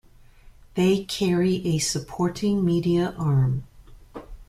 They carry a supporting media arm.